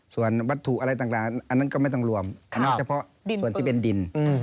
ส่วนวัตถุอะไรต่างอันนั้นก็ไม่ต้องรวมอันนั้นเฉพาะส่วนที่เป็นดิน